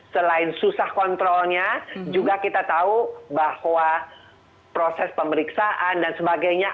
selain susah kontrolnya juga kita tahu bahwa proses pemeriksaan dan sebagainya